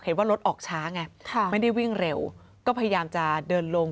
เห็นว่ารถออกช้าไงไม่ได้วิ่งเร็วก็พยายามจะเดินลง